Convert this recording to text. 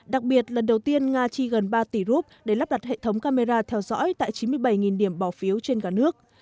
đặc biệt lần đầu tiên nga chi gần ba tỷ rup để lắp đặt hệ thống camera theo dõi tại chín mươi bảy điểm bỏ phiếu trên cả nước